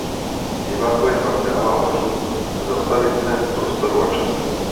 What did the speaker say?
Divákovi pak dává možnost zastavit se v prostoru a čase.